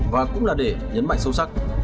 và cũng là để nhấn mạnh sâu sắc